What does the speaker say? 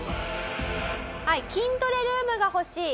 筋トレルームが欲しい。